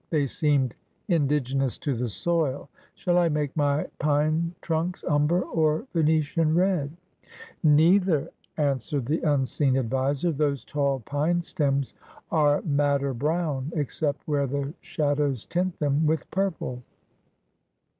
They seemed indi genous to the soil. ' Shall I make my pine trunks umber or Venetian red ?' Neither,' answered the unseen adviser. ' Those tall pine stems are madder brown, except where the shadows tint them with purple.'